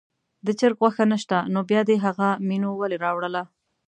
د چرګ غوښه نه شته نو بیا دې هغه مینو ولې راوړله.